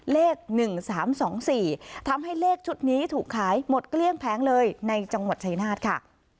เลข๑๓๒๔ทำให้เลขชุดนี้ถูกขายหมดเกลี้ยงแผงเลยในจังหวัดชายนาฏค่ะ